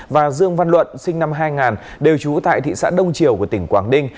và dương văn luận sinh năm hai nghìn đều trú tại thị xã đông triều của tỉnh quảng ninh